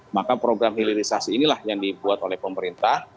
maka program hilirisasi inilah yang dibuat oleh pemerintah